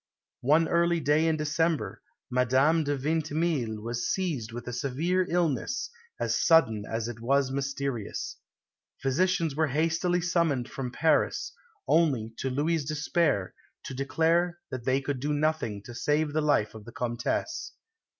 One early day in December, Madame de Vintimille was seized with a severe illness, as sudden as it was mysterious. Physicians were hastily summoned from Paris, only, to Louis' despair, to declare that they could do nothing to save the life of the Comtesse.